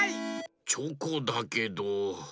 チョコだけど。